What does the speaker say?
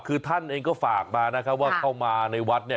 คือท่านเองก็ฝากมานะคะว่าเข้ามาในวัด